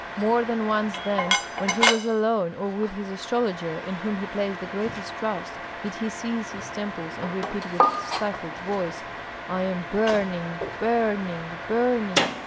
More than once then, when he was alone or with his astrologer, in whom he placed the greatest trust, did he seize his temples and repeat with stifled voice, "I am burning, burning, burning!"